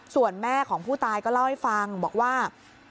ส่วนแม่ของผู้ตายก็เล่าให้ฟังบอกว่า